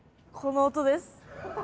この音です。